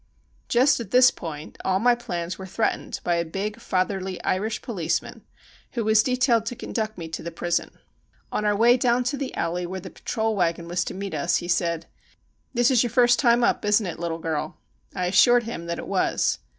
Just at this p<jint. all my plans were threatened by a big fatherly Irish policeman who was de tailed to crmduct me to the prison. On our way Jeanie MacPherson wearing prison costume. down to the alley where the patrolwagon was to meet us, he said : "This is your first time up, isn't it, little girl?" I assured him that it was.